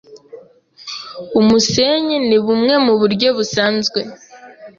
Umusenyi ni bumwe muburyo busanzwe